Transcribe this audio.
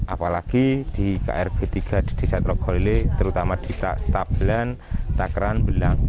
apalagi di krb tiga di desa troghole terutama di stabelan takran belang